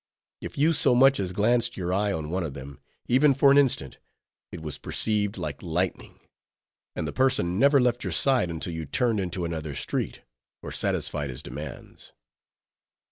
_ If you so much as glanced your eye on one of them, even for an instant, it was perceived like lightning, and the person never left your side until you turned into another street, or satisfied his demands.